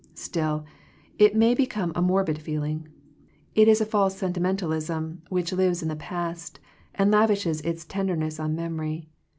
Still, it may become a morbid feeling. It is a false sentimentalism which lives in the past, and lavishes its tenderness on memory.